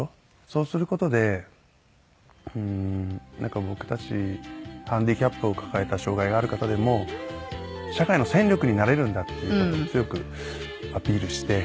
そうする事でなんか僕たちハンディキャップを抱えた障がいがある方でも社会の戦力になれるんだっていう事を強くアピールして。